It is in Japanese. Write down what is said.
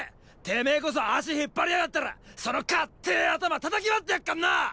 てめェこそ足引っ張りやがったらそのかってー頭叩き割ってやっからな！！